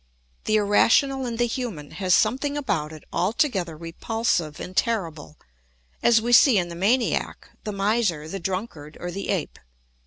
The irrational in the human has something about it altogether repulsive and terrible, as we see in the maniac, the miser, the drunkard, or the ape.